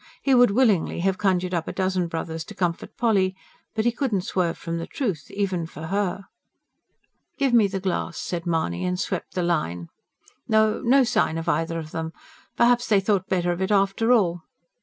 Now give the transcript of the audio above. He would willingly have conjured up a dozen brothers to comfort Polly; but he could not swerve from the truth, even for her. "Give me the glass," said Mahony, and swept the line. "No, no sign of either of them. Perhaps they thought better of it after all.